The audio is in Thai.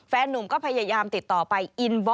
แฟนนุ่มก็พยายามติดต่อไปอินบอ